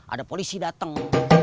ada polisi dateng